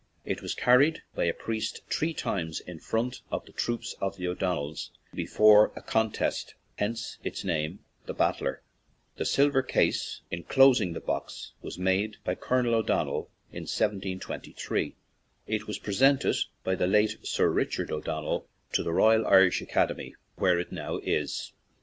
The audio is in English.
It was car ried by a priest three times in front of the troops of the O'Donnells before a contest, hence its name, "The Battler." The silver case enclosing the box was made by Col onel O'Donnell in 1723. It was presented by the late Sir Richard O'Donnell to the Royal Irish Academy, where it now is.